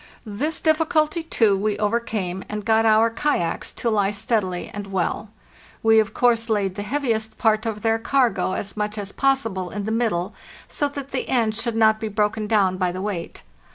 This difficulty, too, we overcame, and got our kayaks to lie steadily and well. We of course laid the heaviest part of their cargo as much as possible in the middle, so that the ends should not be broken down by the weight.